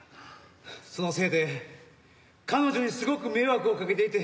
そのせいで彼女にすごく迷惑をかけていて。